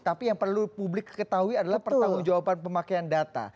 tapi yang perlu publik ketahui adalah pertanggung jawaban pemakaian data